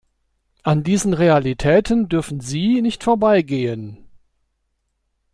An diesen Realitäten dürfen Sie nicht vorbeigehen.